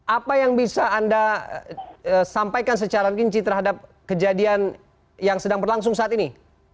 apa yang bisa anda sampaikan secara rinci terhadap kejadian yang sedang berlangsung saat ini